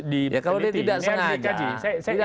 diperhentikan ini yang dikaji ya kalau dia tidak sengaja